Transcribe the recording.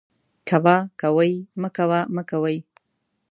کوه ، کوئ ، مکوه ، مکوئ